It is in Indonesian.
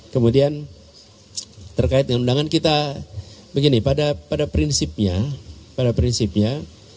kemudian terkait dengan undangan kita begini pada prinsipnya pada prinsipnya